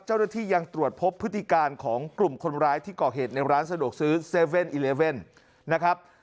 เจ้าหน้าที่ยังตรวจพบพฤติการของกลุ่มคนร้ายที่ก่อเหตุในร้านสะดวกซื้อ๗๑๑นะครับ